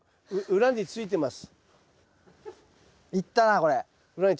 裏についてます。